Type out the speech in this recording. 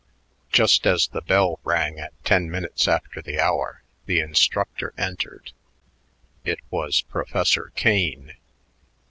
Just as the bell rang at ten minutes after the hour, the instructor entered. It was Professor Kane.